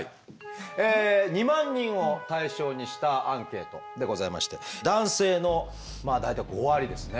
２万人を対象にしたアンケートでございまして男性の大体５割ですね